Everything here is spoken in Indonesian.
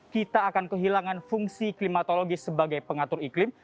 kita akan kehilangan fungsi klimatologis sebagai pengatur iklim